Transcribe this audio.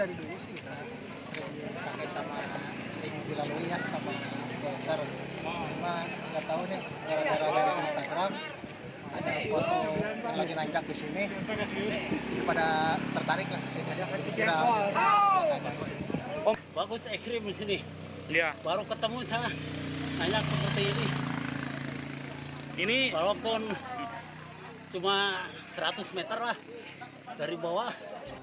ini walaupun cuma seratus meter lah dari bawah